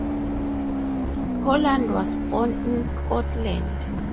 Holland was born in Scotland.